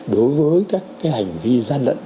đối với các cái hành vi gian lận